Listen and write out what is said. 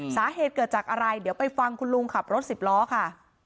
สาเหตุเกิดจากอะไรเดี๋ยวไปฟังคุณลุงขับรถสิบล้อค่ะ